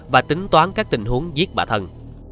và tính toán các tình huống giết bà thân